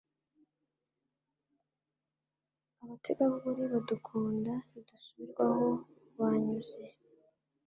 Abategarugori badukunda bidasubirwaho banyuze